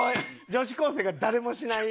女子高生が誰もしない。